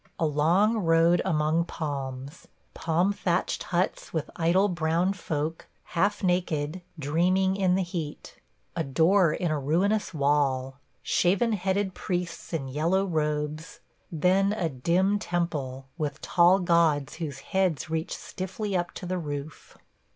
... A long road among palms. Palm thatched huts, with idle brown folk, half naked, dreaming in the heat. A door in a ruinous wall – shaven headed priests in yellow robes – then a dim temple, with tall gods whose heads reach stiffly up to the roof.